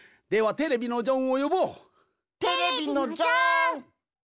テレビのジョン。